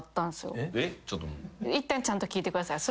いっぺんちゃんと聞いてください。